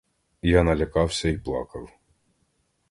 Я налякався й плакав.